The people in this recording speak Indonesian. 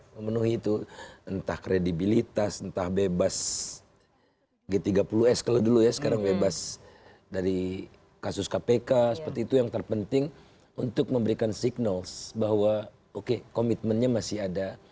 memenuhi itu entah kredibilitas entah bebas g tiga puluh s kalau dulu ya sekarang bebas dari kasus kpk seperti itu yang terpenting untuk memberikan signals bahwa oke komitmennya masih ada